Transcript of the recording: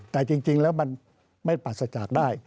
แต่จริงแล้วมันไม่ปราศจากได้